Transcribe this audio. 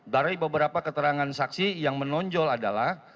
dari beberapa keterangan saksi yang menonjol adalah